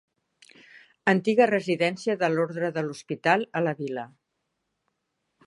Antiga residència de l'ordre de l'Hospital a la vila.